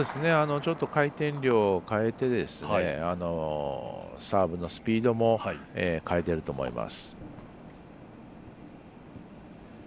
ちょっと回転量を変えてサーブのスピードも変えてると思います。